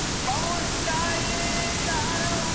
نن قانون او حیا دواړه له وطنه کوچېدلي